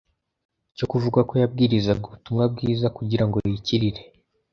cyo kuvuga ko yabwirizaga ubutumwa bwiza kugira ngo yikirire.